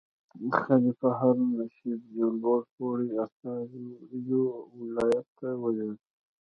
خلیفه هارون الرشید یو لوړ پوړی استازی یو ولایت ته ولېږه.